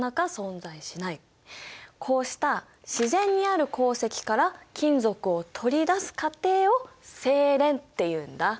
こうした自然にある鉱石から金属を取り出す過程を製錬っていうんだ。